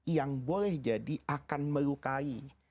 yang boleh jadi akan melukai